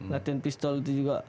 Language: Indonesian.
latihan pistol itu juga